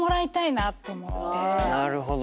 なるほど。